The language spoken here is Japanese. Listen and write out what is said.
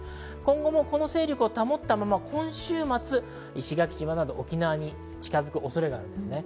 この勢力を保ったまま今週末、石垣島など沖縄に近づく恐れがあります。